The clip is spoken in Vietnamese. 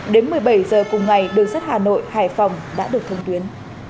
đến một mươi bảy giờ cùng ngày đường sắt hà nội hải phòng đã được thông tuyến